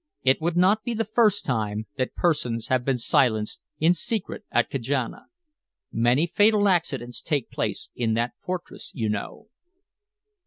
It would not be the first time that persons have been silenced in secret at Kajana. Many fatal accidents take place in that fortress, you know."